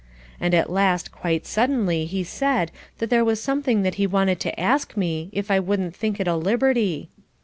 And at last quite suddenly he said that there was something that he wanted to ask me if I wouldn't think it a liberty.